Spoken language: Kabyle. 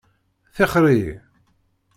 Tixxeṛ-iyi!